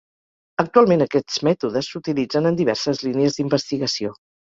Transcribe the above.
Actualment aquests mètodes s'utilitzen en diverses línies d'investigació.